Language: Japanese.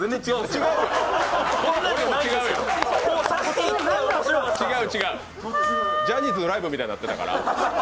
違う違う、ジャニーズのライブみたいになってたから。